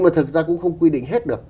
thực ra cũng không quy định hết được